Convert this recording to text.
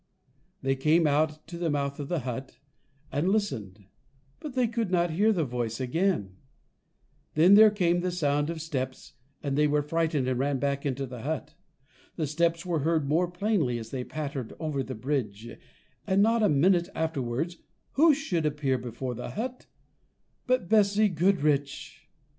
They came out to the mouth of the hut, and listened, but could not hear the voice again. Then there came the sound of steps, and they were frightened and ran back into the hut. The steps were heard more plainly as they pattered over the bridge, and, not a minute afterwards, who should appear before the hut but Bessy Goodriche!